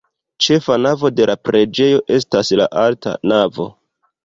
Ĉefa navo de la preĝejo estas la alta navo.